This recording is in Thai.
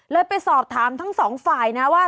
แล้วไปสอบถามทั้ง๒ฝ่ายนะว่า